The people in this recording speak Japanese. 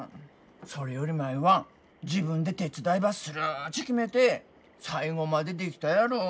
それより舞は自分で手伝いばするっち決めて最後までできたやろ。